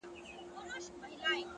لوړې موخې ژور تمرکز غواړي,